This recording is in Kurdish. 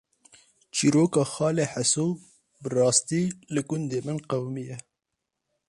Çîroka “Xalê Heso” bi rastî li gundê min qewîmiye